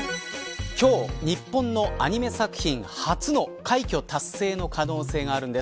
今日、日本のアニメ作品初の快挙達成の可能性があるんです。